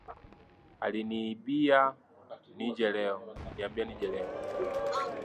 Aliniambia nije leo.